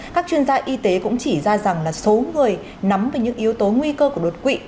các chuyên gia y tế cũng chỉ ra rằng là số người nắm về những yếu tố nguy cơ của đột quỵ